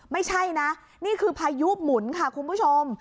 ไม่ใช่นะนี่คือพายุหมุนค่ะคุณผู้ชม